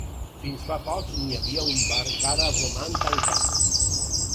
Fins fa poc n'hi havia un bar que ara roman tancat.